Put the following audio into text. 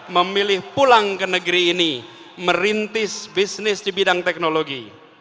memilih pulang ke negeri ini merintis bisnis di bidang teknologi